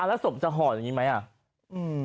แล้วศพจะห่ออย่างนี้ไหมอ่ะ